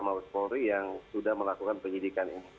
mabes polri yang sudah melakukan penyidikan ini